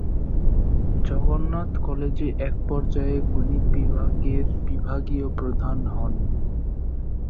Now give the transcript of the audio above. জগন্নাথ কলেজে একপর্যায়ে গণিত বিভাগের বিভাগীয় প্রধান হন।